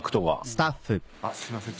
すいません。